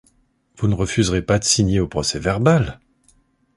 Vous ne refuserez pas de signer au procès-verbal ?